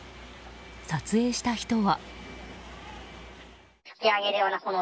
撮影した人は。